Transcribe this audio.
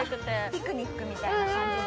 ピクニックみたいな感じで。